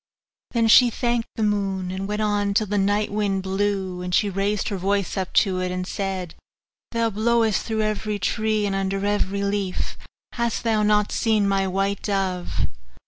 Then she thanked the moon, and went on till the night wind blew; and she raised up her voice to it, and said, 'Thou blowest through every tree and under every leaf hast thou not seen my white dove?